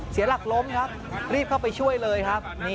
เสียหลักล้มครับรีบเข้าไปช่วยเลยครับ